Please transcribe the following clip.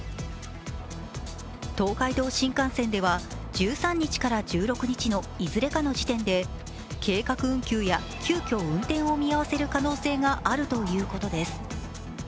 東海道新幹線では１３日から１６日のいずれかの時点で計画運休や急きょ運転を見合わせる可能性があるということです。